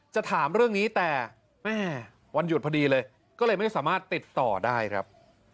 จะถามเรื่องนี้แต่แม่วันหยุดพอดีเลยก็เลยไม่สามารถติดต่อได้ครับ